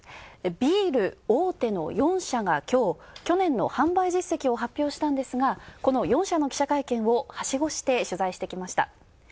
ビール大手の４社が、きょう去年の販売実績を発表したんですが、この４社の記者会見をはしごして取材してきました。